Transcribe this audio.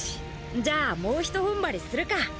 じゃあもうひとふんばりするか。